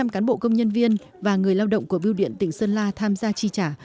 một trăm linh cán bộ công nhân viên và người lao động của biêu điện tỉnh sơn la tham gia chi trả